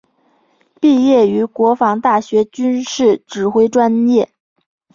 毕业于国防大学军事指挥专业。